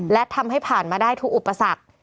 และทำให้ผ่านมาได้ทุกอุปสรรค